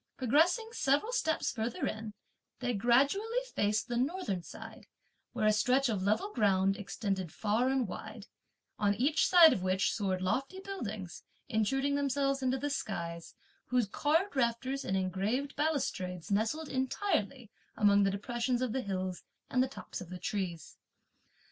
Progressing several steps further in, they gradually faced the northern side, where a stretch of level ground extended far and wide, on each side of which soared lofty buildings, intruding themselves into the skies, whose carved rafters and engraved balustrades nestled entirely among the depressions of the hills and the tops of the trees.